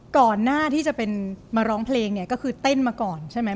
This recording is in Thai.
ก่อนหน้าที่จะมาร้องเพลงก็คือเต้นมาก่อนใช่ไหม